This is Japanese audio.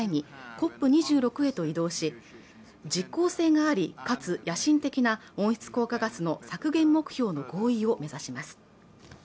ＣＯＰ２６へと移動し実効性がありかつ野心的な温室効果ガスの削減目標の合意を目指します